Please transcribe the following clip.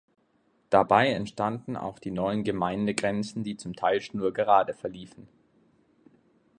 Dabei entstanden auch die neuen Gemeindegrenzen, die zum Teil schnurgerade verliefen.